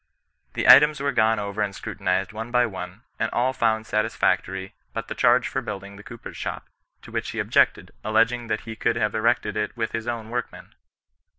The items were gone over and scrutinized one by one, and all were found satisfactory but the charge for building the cooper's shop, to which he objected, alleging that he could have erected it with his own workmen.